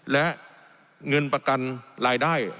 และเงินประกันรายได้